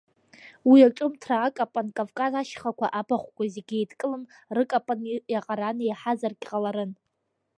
Уи аҿымҭра акапан Кавказ ашьхақәа, абахәқәа зегьы еидкыланы рыкапан иаҟаран, еиҳазаргьы ҟаларын.